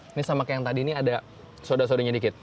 ini sama kayak yang tadi ini ada soda sodonya dikit